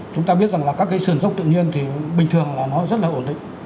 chúng ta biết rằng là các cái sườn dốc tự nhiên thì bình thường là nó rất là ổn định